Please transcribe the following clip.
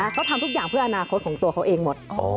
เขาทำทุกอย่างเพื่ออนาคตของตัวเขาเองหมด